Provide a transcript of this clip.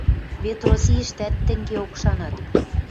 – Вет Российӹштӓт тӹнгеок шанат...